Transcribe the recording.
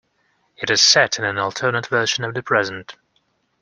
It is set in an alternate version of the present.